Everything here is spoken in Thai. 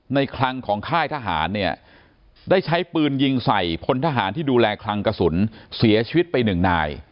คลังของค่ายทหารเนี่ยได้ใช้ปืนยิงใส่พลทหารที่ดูแลคลังกระสุนเสียชีวิตไปหนึ่งนาย